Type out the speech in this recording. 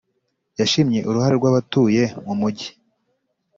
Yashimye uruhare rw abatuye mu mugi